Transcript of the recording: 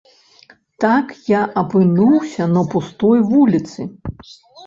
Так я апынуўся на пустой вуліцы.